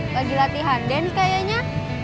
lagi latihan dance kayaknya